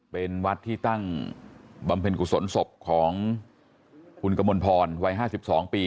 เป็นวัดที่ตั้งบำเพ็ญกุศลศพของคุณกมลพรวัย๕๒ปี